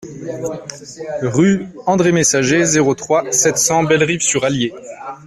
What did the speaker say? Rue Andre Messager, zéro trois, sept cents Bellerive-sur-Allier